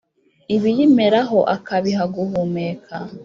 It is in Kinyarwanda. ibiyimeraho akabiha guhumeka,